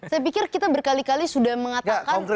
saya pikir kita berkali kali sudah mengatakan